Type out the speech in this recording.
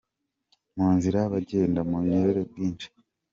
Mu nzira bagenda mu bunyerere bwinshi.